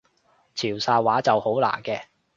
潮汕話就好難嘅